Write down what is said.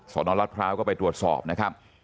สนรัฐพร้าวก็ไปตรวจสอบนะครับ